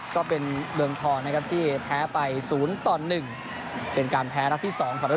คือเป็นแบบเติลเตนโดนขวดน้ำนั่นแหละ